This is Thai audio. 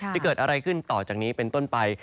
จะเกิดอะไรขึ้นต่อจากนี้เป็นต้นไป